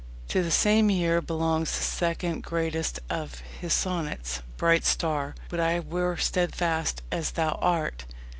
To the same year belongs the second greatest of his sonnets, Bright star, would I were steadfast as thou art.